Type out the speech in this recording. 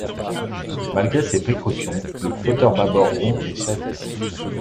Malgré ces précaution, le flotteur bâbord rompt et chavire.